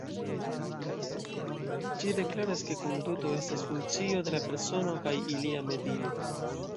Ĝi deklaras ke konduto estas funkcio de la persono kaj ilia medio.